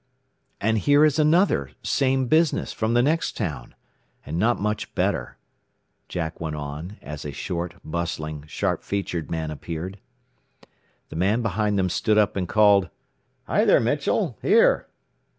"And here is another, same business, from the next town. And not much better," Jack went on, as a short, bustling, sharp featured man appeared. The man behind them stood up and called, "Hi, there, Mitchell! Here!"